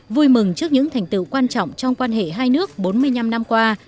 vui mừng trước những thành tựu quan trọng trong quan hệ hai nước bốn mươi năm năm qua